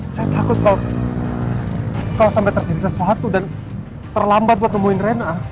saya takut kalau sampai terjadi sesuatu dan terlambat buat nemuin rena